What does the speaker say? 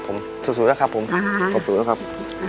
ขอบคุณครับ